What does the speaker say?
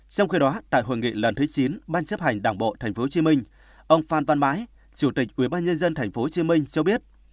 trong khi đó tại hội nghị lần thứ chín ban chấp hành đảng bộ tp hcm ông phan văn mãi chủ tịch ubnd tp hcm cho biết